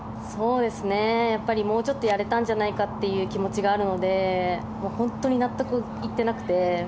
もうちょっとやれたんじゃないかという気持ちがあるので本当に納得いっていなくて。